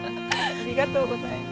ありがとうございます。